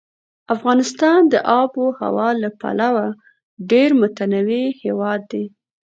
افغانستان د آب وهوا له پلوه ډېر متنوع هېواد دی.